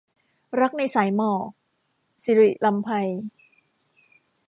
รักในสายหมอก - ศิริรำไพ